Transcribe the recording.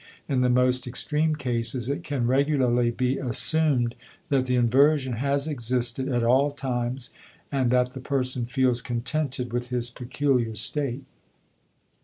In the most extreme cases it can regularly be assumed that the inversion has existed at all times and that the person feels contented with his peculiar state.